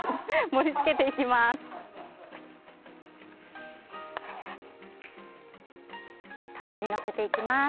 盛り付けていきます。